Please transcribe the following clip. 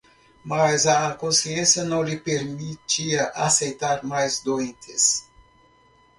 mas a consciência não lhe permitia aceitar mais doentes.